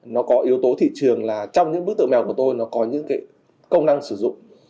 nó có yếu tố thị trường là trong những bức tượng mèo của tôi nó có những cái công năng sử dụng